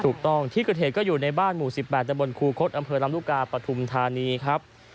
ถูกต้องที่กระเทศก็อยู่ในบ้านหมู่๑๘จับบนครูคลสอำเภอรำลูกกาปฐุมธานีครับ